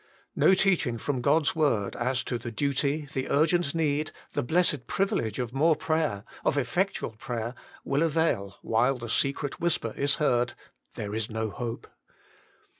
No teaching from God s Word as to the duty, the urgent need, the blessed privilege of more prayer, of effectual prayer, will avail, while the secret whisper is heard : There is no hope.